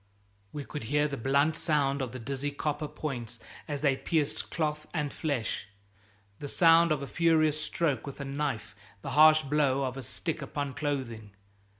We could hear the blunt sound of the dizzy copper points as they pierced cloth and flesh, the sound of a furious stroke with a knife, the harsh blow of a stick upon clothing.